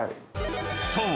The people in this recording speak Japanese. ［そう！